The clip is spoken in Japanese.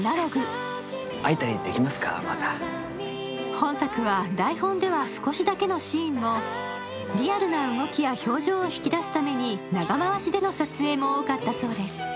本作は台本では少しだけのシーンもリアルな動きや表情を引き出すために長回しでの撮影も多かったそうです。